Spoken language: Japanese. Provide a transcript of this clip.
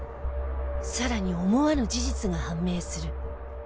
さらに思わぬ事実が判明する